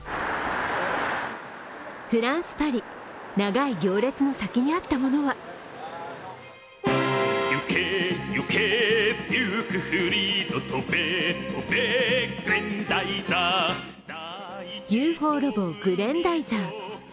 フランス・パリ、長い行列の先にあったものは「ＵＦＯロボグレンダイザー」。